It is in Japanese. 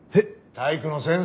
体育の先生。